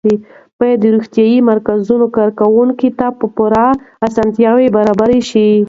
باید د روغتیایي مرکزونو کارکوونکو ته پوره اسانتیاوې برابرې شي.